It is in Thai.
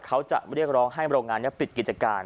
เขาจะเรียกร้องให้โรงงานนี้ปิดกิจการ